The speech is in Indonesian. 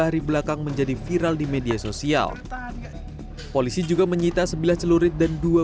hari belakang menjadi viral di media sosial polisi juga menyita sebelah celurit dan dua